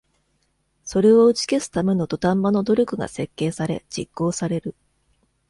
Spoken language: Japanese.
それを打ち消すための土壇場の努力が設計され、実行される。